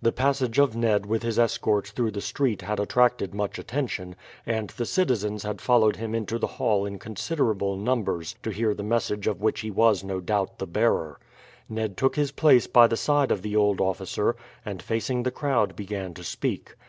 The passage of Ned with his escort through the street had attracted much attention, and the citizens had followed him into the hall in considerable numbers to hear the message of which he was no doubt the bearer. Ned took his place by the side of the old officer, and facing the crowd began to speak.